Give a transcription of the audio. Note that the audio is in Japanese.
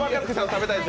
食べたい！